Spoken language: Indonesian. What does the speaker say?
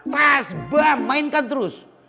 pas bam mainkan terus